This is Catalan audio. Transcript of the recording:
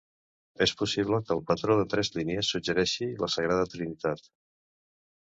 És possible que el patró de tres línies suggereixi la Sagrada Trinitat.